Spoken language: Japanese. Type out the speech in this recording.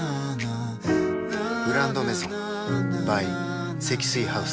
「グランドメゾン」ｂｙ 積水ハウス